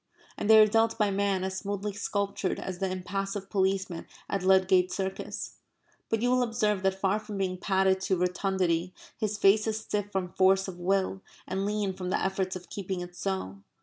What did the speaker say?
And they are dealt by men as smoothly sculptured as the impassive policeman at Ludgate Circus. But you will observe that far from being padded to rotundity his face is stiff from force of will, and lean from the efforts of keeping it so.